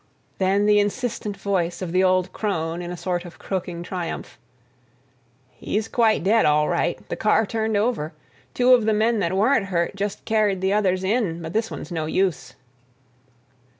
Then the insistent voice of the old crone in a sort of croaking triumph: "He's quite dead, all right. The car turned over. Two of the men that weren't hurt just carried the others in, but this one's no use."